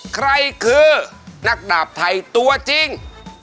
ใครคือนักดาบไทยตัวจริง